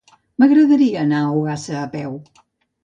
M'agradaria anar a Ogassa a peu.